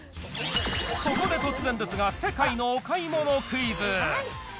ここで突然ですが、世界のお買い物クイズ。